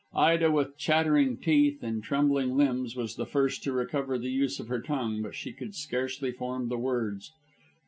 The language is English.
Ida, with chattering teeth and trembling limbs, was the first to recover the use of her tongue; but she could scarcely form the words.